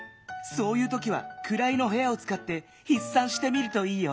そういうときは「くらいのへや」をつかってひっさんしてみるといいよ。